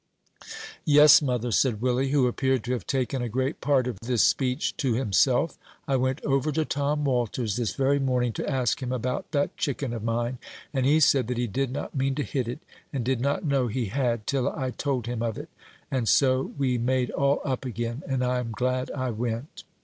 "Yes, mother," said Willie, who appeared to have taken a great part of this speech to himself; "I went over to Tom Walter's this very morning to ask him about that chicken of mine, and he said that he did not mean to hit it, and did not know he had till I told him of it; and so we made all up again, and I am glad I went."